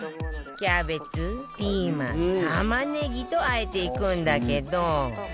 キャベツピーマン玉ねぎと和えていくんだけど